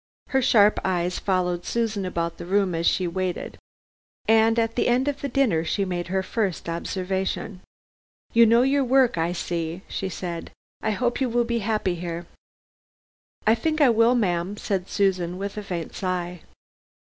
Her sharp eyes followed Susan about the room as she waited, and at the end of the dinner she made her first observation. "You know your work I see," she said. "I hope you will be happy here!" "I think I will, ma'am," said Susan, with a faint sigh.